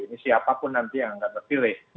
ini siapapun nanti yang akan memilih